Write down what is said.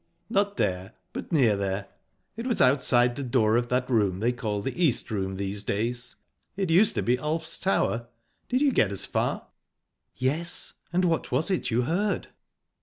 "Not there, but near there. It was outside the door of that room they call the East Room these days. It used to be Ulf's Tower. Did you get as far?" "Yes. And what was it you heard?"